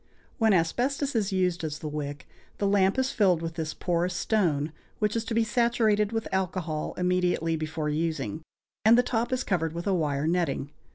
When asbestos is used as the wick, the lamp is filled with this porous stone, which is to be saturated with alcohol immediately before using, and the top is covered with a wire netting.